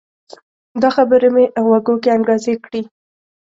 دا خبرې مې غوږو کې انګازې کړي